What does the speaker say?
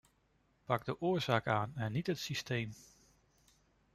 Pak de oorzaak aan en niet het systeem.